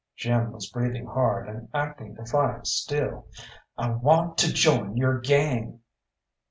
Jim was breathing hard and acting defiant still. "I want to join your gang!"